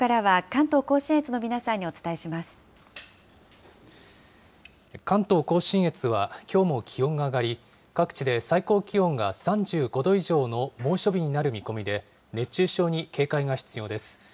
関東甲信越はきょうも気温が上がり、各地で最高気温が３５度以上の猛暑日になる見込みで、熱中症に警戒が必要です。